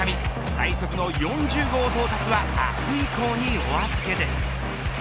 最速の４０号到達は明日以降にお預けです。